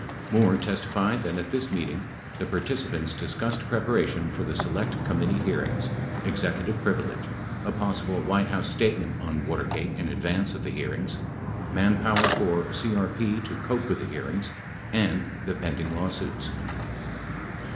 Moore testified that at this meeting the participants discussed preparation for the Select Committee hearings, executive privilege, a possible White House statement on Watergate in advance of the hearings, manpower for CRP to cope with the hearings, and the pend ing lawsuits.